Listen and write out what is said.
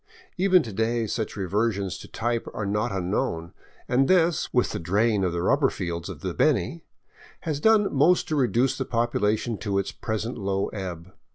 Even to day such reversions to type are not unknown ; and this, with the drain of the rubber fields of the Beni, has done most to reduce the population to its present low ebb.